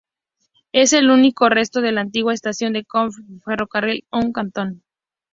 Es el único resto de la antigua Estación de Kowloon del Ferrocarril Kowloon-Cantón.